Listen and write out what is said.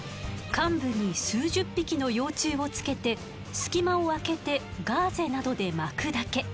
患部に数十匹の幼虫をつけて隙間をあけてガーゼなどで巻くだけ。